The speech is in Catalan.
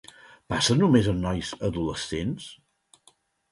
Passa només en nois adolescents?